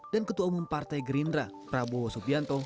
ketua umum partai gerindra prabowo subianto